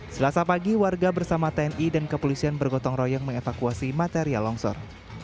selasa pagi warga bersama tni dan kepolisian bergotong royong mengevakuasi material longsor